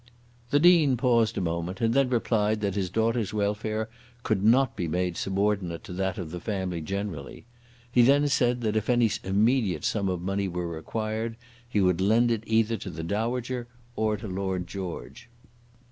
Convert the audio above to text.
The Dean paused a moment, and then replied that his daughter's welfare could not be made subordinate to that of the family generally. He then said that if any immediate sum of money were required he would lend it either to the dowager or to Lord George.